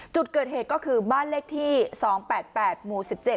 จุดเกิดเหตุก็คือบ้านเลขที่๒๘๘หมู่๑๗